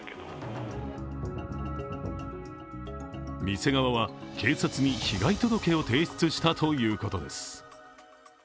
店側は警察に被害届を提出したということです。